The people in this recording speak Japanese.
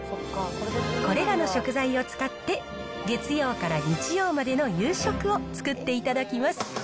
これらの食材を使って、月曜から日曜までの夕食を作っていただきます。